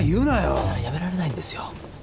今更やめられないんですよ。